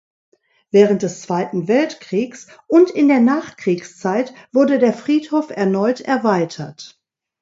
Während des Zweiten Weltkriegs und in der Nachkriegszeit wurde der Friedhof erneut erweitert.